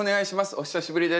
お久しぶりです。